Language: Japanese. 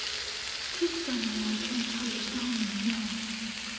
キクさんの方はいつもちゃんとしてはるのになあ。